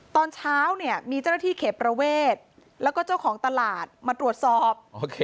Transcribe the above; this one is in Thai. ตอนเช้าเนี่ยมีเจ้าหน้าที่เขตประเวทแล้วก็เจ้าของตลาดมาตรวจสอบ